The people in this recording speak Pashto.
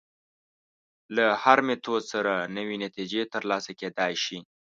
له هر میتود سره نوې نتیجې تر لاسه کېدای شي.